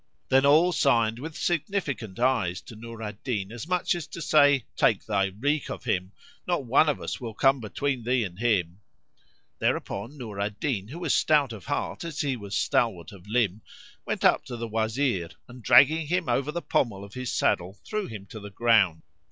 Then all signed with significant eyes to Nur al Din as much as to say, "Take thy wreak of him; not one of us will come between thee and him." Thereupon Nur al Din, who was stout of heart as he was stalwart of limb, went up to the Wazir and, dragging him over the pommel of his saddle, threw him to the ground.